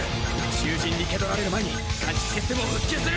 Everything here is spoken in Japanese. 囚人に気取られる前に監視システムを復旧する！